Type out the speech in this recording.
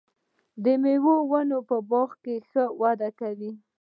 د مېوو ونې په باغ کې ښه وده کوي.